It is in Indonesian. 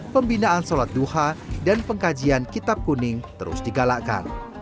pembinaan sholat duha dan pengkajian kitab kuning terus digalakkan